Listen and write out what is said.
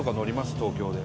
東京で。